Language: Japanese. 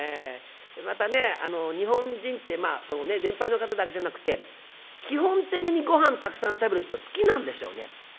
またね日本人って年配の方だけじゃなくて基本的にごはんたくさん食べる人好きなんでしょうね。